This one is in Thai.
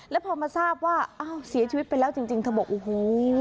แล้วพอมาทราบว่าอ้าวเสียชีวิตไปแล้วจริงเธอบอกโอ้โห